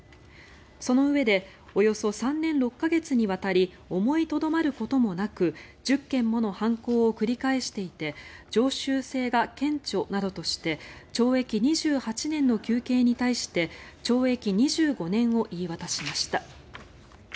そのうえでおよそ３年６か月にわたり思いとどまることもなく１０件もの犯行を繰り返していて常習性が顕著などとして懲役２８年の求刑に対して懲役２５年を言い渡しました。